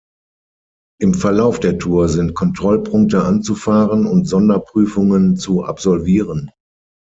Im Verlauf der Tour sind Kontrollpunkte anzufahren und Sonderprüfungen zu absolvieren.